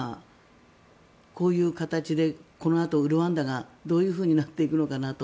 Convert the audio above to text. こういう形でこのあとルワンダがどういうふうになっていくのかなと。